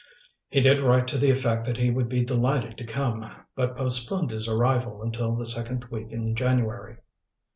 He did write to the effect that he would be delighted to come, but postponed his arrival until the second week in January.